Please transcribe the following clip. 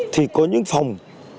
thì có những phòng